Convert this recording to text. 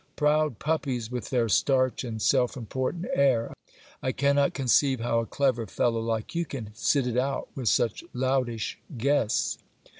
Proud puppies, with their starch and self im portant air ! I cannot conceive how a clever fellow like you can sit it out with such loutish guests.